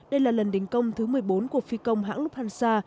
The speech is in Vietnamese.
đây là lần đình công thứ một mươi bốn của phi công hãng lufthansa